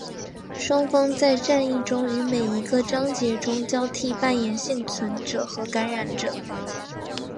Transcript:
双方在战役中于每一个章节中交替扮演幸存者和感染者。